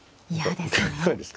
嫌ですね。